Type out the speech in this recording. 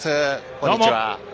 こんにちは。